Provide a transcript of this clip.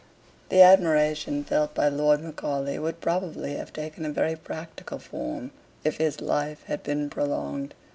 The admiration felt by Lord Macaulay would probably have taken a very practical form, if his life had been prolonged.